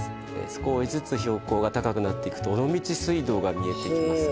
少しずつ標高が高くなっていくと尾道水道が見えてきます